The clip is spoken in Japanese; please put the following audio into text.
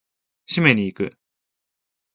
締めに行く！